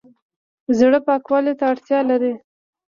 زړه پاکوالي ته اړتیا لري